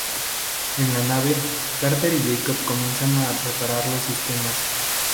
En la nave, Carter y Jacob comienzan a reparar los sistemas.